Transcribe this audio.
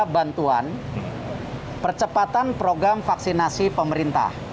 bantuan percepatan program vaksinasi pemerintah